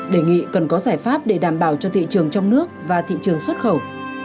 đề nghị cần có giải pháp để đảm bảo cho thị trường trong nước và thị trường xuất khẩu